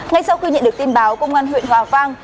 ngay sau khi nhận được tin báo công an huyện hòa vang